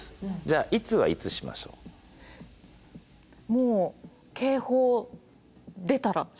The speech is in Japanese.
もう警報出たらすぐ。